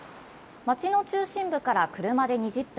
町の中心部から車で２０分。